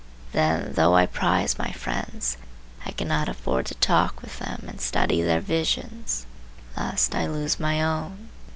Then, though I prize my friends, I cannot afford to talk with them and study their visions, lest I lose my own.